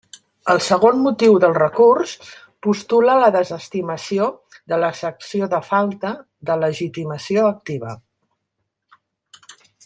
El segon motiu del recurs postula la desestimació de l'excepció de falta de legitimació activa.